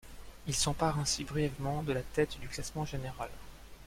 Il s'empare ainsi brièvement de la tête du classement général.